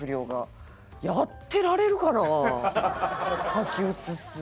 書き写す。